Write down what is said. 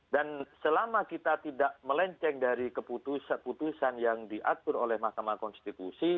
dan selama kita tidak melenceng dari keputusan putusan yang diatur oleh mahkamah konstitusi